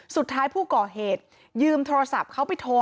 สุดท้ายผู้ก่อเหตุยืมโทรศัพท์เขาไปโทร